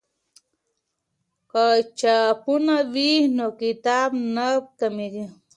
که چاپخونه وي نو کتاب نه کمېږي.